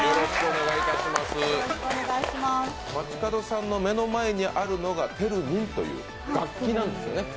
街角さんの目の前にあるのがテルミンという楽器なんですよね。